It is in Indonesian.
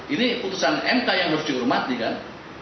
ini putusan mk yang harus dihormati kan